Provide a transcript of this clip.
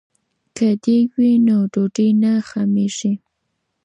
که دیګ وي نو ډوډۍ نه خامېږي.